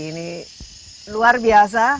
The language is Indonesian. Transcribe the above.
ini luar biasa